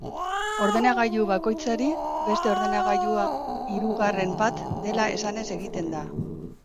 Ordenagailu bakoitzari, beste ordenagailua hirugarren bat dela esanez egiten da.